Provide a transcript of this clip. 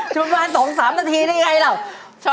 ประมาณ๒๓นาทีได้ยังไงหรือ